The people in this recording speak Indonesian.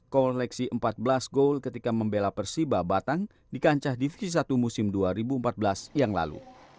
koleksi empat belas gol ketika membela persiba batang di kancah divisi satu musim dua ribu empat belas yang lalu